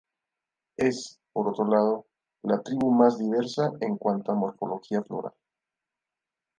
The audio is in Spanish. Es, por otro lado, la tribu más diversa en cuanto a morfología floral.